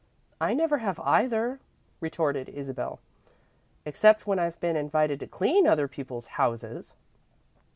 "I never have either," retorted Isabel, "except when I've been invited to clean other people's houses."